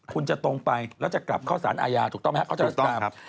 คุณจะตรงไปแล้วจะกลับเข้าสารอาญาถูกต้องไหมครับ